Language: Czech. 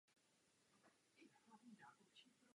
Byla by naprosto neúčinná.